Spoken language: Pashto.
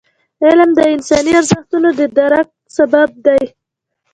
علم د انساني ارزښتونو د درک سبب دی.